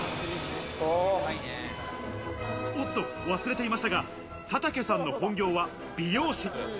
おっと忘れていましたが、佐竹さんの本業は美容師。